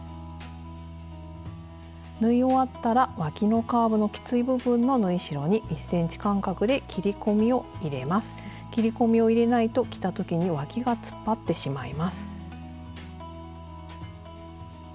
縫い終わったらわきのカーブのきつい部分の縫い代に切り込みを入れないと着た時にわきが突っ張ってしまいます。